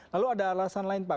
lalu ada alasan lain pak